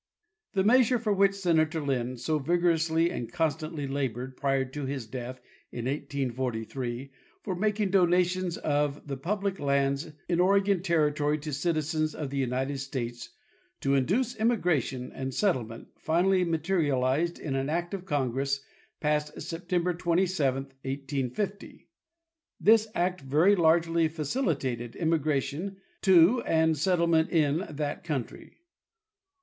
The measure for which Senator Linn so vigorously and con stantly labored prior to his death, in 1848, for making donations of the public lands in Oregon territory to citizens of the United States to induce immigration and settlement finally materialized in an act of Congress passed September 27,1850. This act very largely facilitated immigration to and settlement in that country.